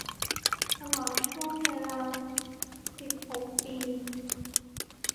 ตลอดช่วงเวลา สิบหก ปี